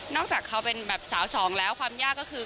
อกจากเขาเป็นแบบสาวสองแล้วความยากก็คือ